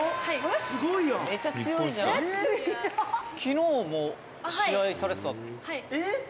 「昨日も試合されてた？」